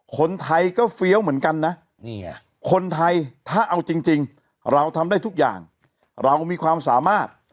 คนไทยก็เฟี้ยวเหมือนกันนะคนไทยถ้าเอาจริงเราทำได้ทุกอย่างเรามีความสามารถ